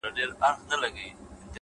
اراده داخلي ضعف ماتوي،